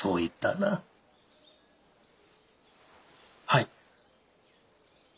はい。